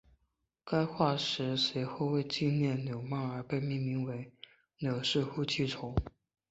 该化石随后为纪念纽曼而被命名为纽氏呼气虫。